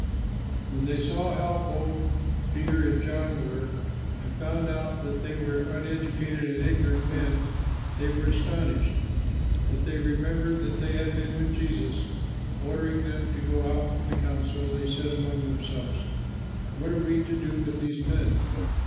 When they saw how bold Peter and John were and found out that they were uneducated and ignorant men, they were astonished but they remembered that they had been with Jesus. Ordering them to go out from the council, they said among themselves, "What are we to do with these men?